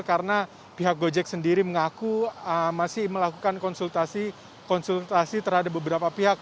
karena pihak gojek sendiri mengaku masih melakukan konsultasi terhadap beberapa pihak